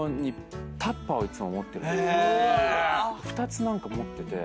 ２つ何か持ってて。